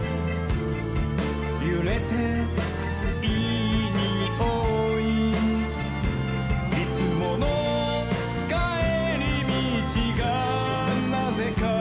「ゆれていいにおい」「いつものかえりみちがなぜか」